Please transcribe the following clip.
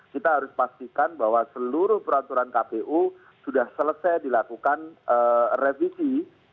kita harus pastikan bahwa seluruh peraturan kpu sudah selesai dilakukan revisi